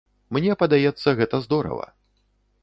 Мне падаецца, гэта здорава.